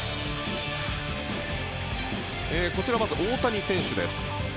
こちら、まず大谷選手です。